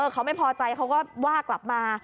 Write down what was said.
เขาไม่พอใจเขาก็ว่ากลับมา